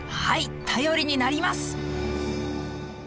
はい頼りになります。